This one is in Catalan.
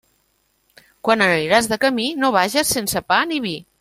Quan aniràs de camí, no vages sense pa ni vi.